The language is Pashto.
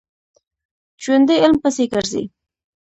ژوندي علم پسې ګرځي